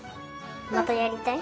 またやりたい？